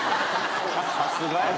さすがやな。